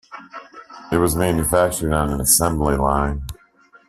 It was manufactured on an assembly line.